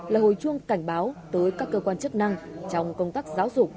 là hồi chuông cảnh báo tới các cơ quan chức năng trong công tác giáo dục